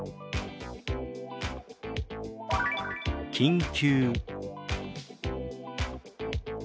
「緊急」。